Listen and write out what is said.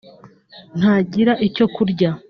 ntagira icyo kurya